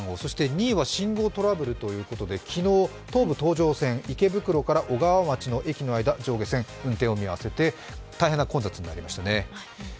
２位は信号トラブルということで、昨日、東武東上線、池袋から小川町の駅の間、上下線で運転を見合わせて、大変な混雑になりましたね。